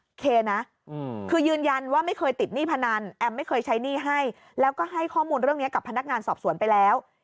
โอเคนะคือยืนยันว่าไม่เคยติดหนี้พนันแอมไม่เคยใช้หนี้ให้แล้วก็ให้ข้อมูลเรื่องนี้กับพนักงานสอบสวนไปแล้ว